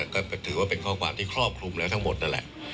ก็ถือว่าเป็นข้อความที่ครอบคลุมแล้วทั้งหมดนั่นแหละ